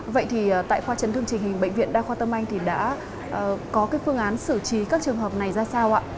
vậy thì tại khoa chấn thương trình hình bệnh viện đa khoa tâm anh thì đã có cái phương án xử trí các trường hợp này ra sao ạ